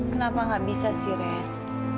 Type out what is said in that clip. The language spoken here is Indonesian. kenapa gak bisa sih res